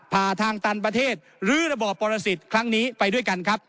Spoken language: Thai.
ผ่าทางตันประเทศหรือระบอบปรสิทธิ์ครั้งนี้ไปด้วยกันครับ